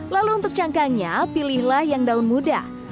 lalu untuk cangkangnya pilihlah yang daun muda